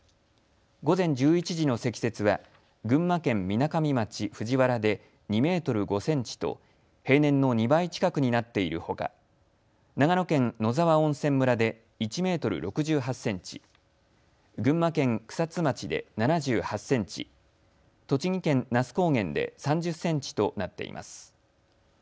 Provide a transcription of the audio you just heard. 午前１１時の積雪は群馬県みなかみ町藤原で２メートル５センチと平年の２倍近くになっているほか長野県野沢温泉村で１メートル６８センチ、群馬県草津町で７８センチ、栃木県那須高原で３０センチとなっています。